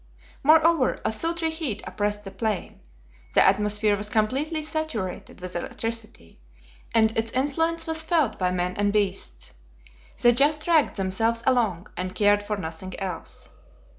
Moreover, a sultry heat oppressed the plain. The atmosphere was completely saturated with electricity, and its influence was felt by men and beasts. They just dragged themselves along, and cared for nothing else.